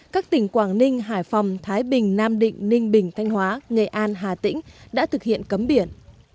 các tỉnh quảng ninh hải phòng thái bình nam định ninh bình thanh hóa nghệ an hà tĩnh đã thực hiện cấm biển